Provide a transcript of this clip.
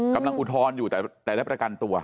กำลังอุทธรณอยู่แต่และประกันตัว